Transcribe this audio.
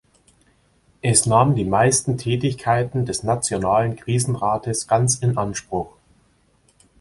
Es nahm die meisten Tätigkeiten des nationalen Krisenrates ganz in Anspruch.